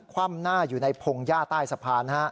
คว่ำหน้าอยู่ในพงหญ้าใต้สะพาน